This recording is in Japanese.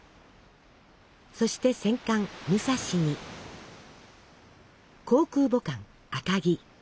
そして戦艦「武蔵」に航空母艦「赤城」。